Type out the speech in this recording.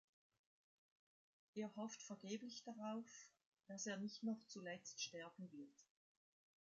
Er hofft vergeblich darauf, dass er nicht „noch zuletzt“ sterben wird.